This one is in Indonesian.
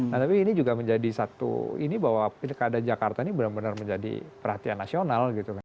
nah tapi ini juga menjadi satu ini bahwa pilkada jakarta ini benar benar menjadi perhatian nasional gitu